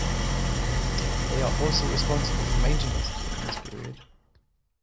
They are also responsible for maintenance during this period.